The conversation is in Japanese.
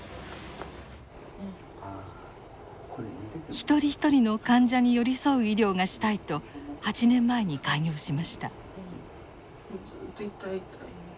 一人一人の患者に寄り添う医療がしたいと８年前に開業しました。